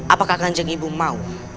apakah kan jeng ibu mau